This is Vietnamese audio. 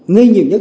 nghi nhiều nhất